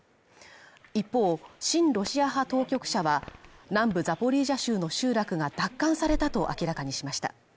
一方、親ロシア派当局者は南部ザポリージャ州の集落が奪還されたと明らかにしました。